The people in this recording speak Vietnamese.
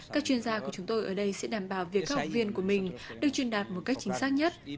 các chuyên gia của chúng tôi ở đây sẽ đảm bảo việc các học viên của mình được truyền đạt một cách chính xác nhất